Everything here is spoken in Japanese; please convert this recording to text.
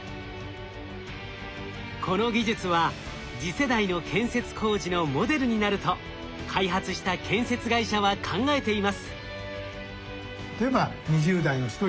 この技術は次世代の建設工事のモデルになると開発した建設会社は考えています。